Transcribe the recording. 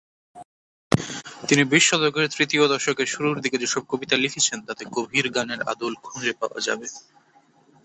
তিনি বিশ শতকের তৃতীয় দশকের শুরুর দিকে যেসব কবিতা লিখেছেন, তাতে গভীর গানের আদল খুঁজে পাওয়া যাবে।